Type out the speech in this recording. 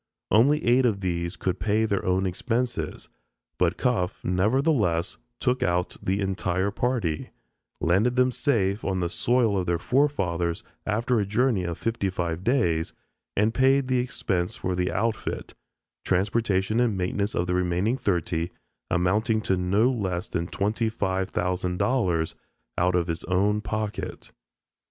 Only eight of these could pay their own expenses, but Cuffe, nevertheless, took out the entire party, landed them safe on the soil of their forefathers after a journey of fifty five days and paid the expense for the outfit, transportation and maintenance of the remaining thirty, amounting to no less than twenty five thousand dollars ($25,000), out of his own pocket.